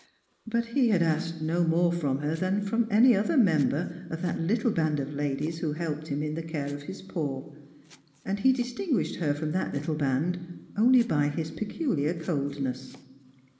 But he asked no more from her than from aiy other member of that httle baud of ladies who helped him 122 Birangers and Pilgrims. in the care of his poor, and he distinguished her from that littla band only by his pecuhar coldness.